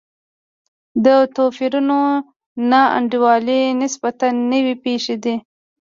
د توپیرونو نا انډولي نسبتا نوې پېښې دي.